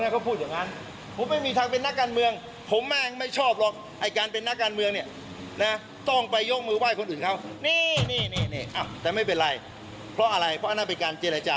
คุณชุวิตโชว์แชทด้วยนะคะ